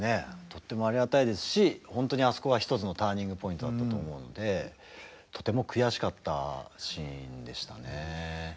とってもありがたいですし本当にあそこは一つのターニングポイントだったと思うのでとても悔しかったシーンでしたね。